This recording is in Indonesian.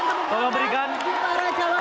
kita berikan pembukaan kepada jawabannya